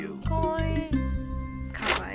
かわいい！